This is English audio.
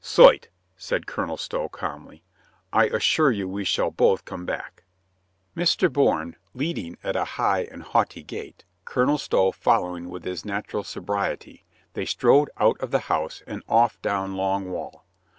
"Soit," said Colonel Stow calmly. "I assure you we shall both come back." Mr. Bourne leading at a high and haughty gait. 112 COLONEL GREATHEART Colonel Stow following with his natural sobriety, they strode out of the house and off down Long Wall.